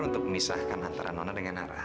untuk memisahkan antara nono dengan nara